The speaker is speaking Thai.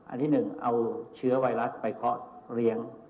อันที่๑เอาเชื้อไวรัสไปเคาะเลี้ยง